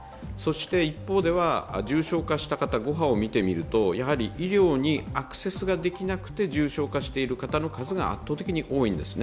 一方では重症化した方、５波を見てみると、やはり医療にアクセスができなくて重症化している方の数が圧倒的に多いんですね。